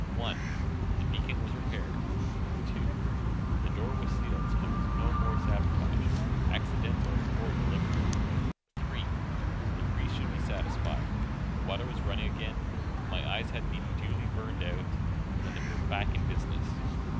One: The beacon was repaired. Two: The door was sealed, so there should be no more sabotage, accidental or deliberate. Three: The priests should be satisfied. The water was running again, my eyes had been duly burned out, and they were back in business.